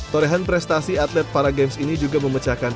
torehan prestasi atlet paragames ini juga memecatkan